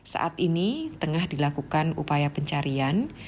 saat ini tengah dilakukan upaya pencarian